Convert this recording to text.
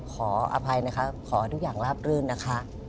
ขออภัยนะคะขอทุกอย่างราบรื่นนะคะ